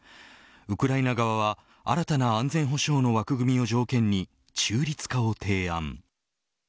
ウクライナ側は新たな安全保障な枠組みを条件に中立化を提案。